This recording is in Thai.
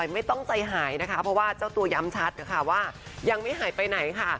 ไม่ต้องใจหายนะคะเพราะว่าเจ้าตัวย้ำชัดนะคะว่ายังไม่หายไปไหนค่ะ